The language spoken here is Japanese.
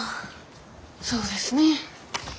そうですね。